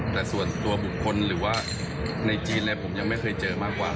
แต่ส่วนตัวบุคคลหรือว่าในจีนอะไรผมยังไม่เคยเจอมากกว่า